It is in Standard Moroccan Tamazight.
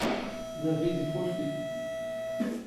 ⴷⴰⴼⵉⴷ ⵉⴼⵓⵍⴽⵉ.